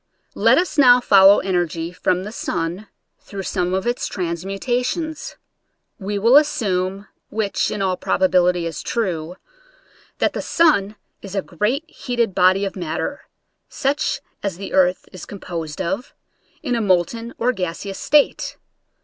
Let us now follow energy from the sun through Borne of its transmutations. We will assume (whi^h in all probability is true) that the sun is a great heated body of matter, such as the earth is composed of, in a molten or gaseous state.